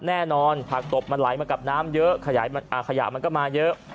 แน่นอนผักตบมันไหลมากับน้ำเยอะขยะมันก็มาเยอะ